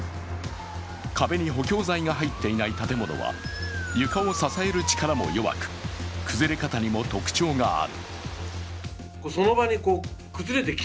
壁に補強材が入っていない建物は床を支える力も弱く、崩れ方にも特徴がある。